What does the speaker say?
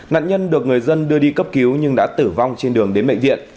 nạn nhân được người dân đưa đi cấp cứu nhưng đã tử vong trên đường đến bệnh viện